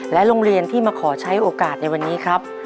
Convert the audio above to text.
โรงเรียนที่มาขอใช้โอกาสในวันนี้ครับ